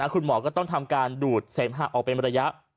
คุณหมอก็ต้องทำการดูดเสมหะออกเป็นระยะ